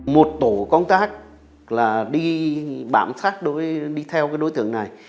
một tổ công tác là đi bám sát đi theo cái đối tượng này